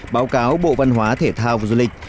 báo cáo bộ văn hóa thể thao và du lịch